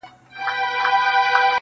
ځمه له سبا سره مېلمه به د خزان یمه -